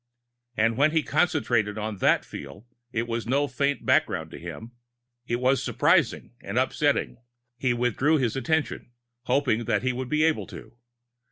And when he concentrated on that feel, it was no faint background to him. It was surprising and upsetting. He withdrew his attention hoping that he would be able to.